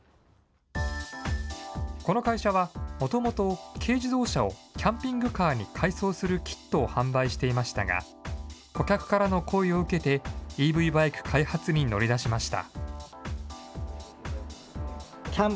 この会社は、もともと軽自動車をキャンピングカーに改装するキットを販売していましたが、顧客からの声を受けて、ＥＶバイク開発に乗り出しました。